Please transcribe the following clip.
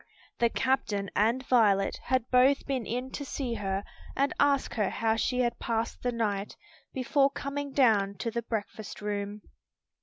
The captain and Violet had both been in to see her and ask how she had passed the night, before coming down to the breakfast room.